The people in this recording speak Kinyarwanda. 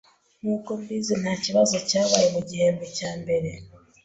Nkuko mbizi, ntakibazo cyabaye mugihembwe cya mbere.